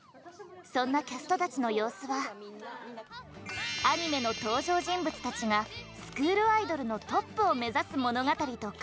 そんなキャストたちの様子はアニメの登場人物たちがスクールアイドルのトップを目指す物語と重なります。